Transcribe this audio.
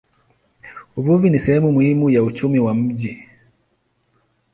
Uvuvi ni sehemu muhimu ya uchumi wa mji.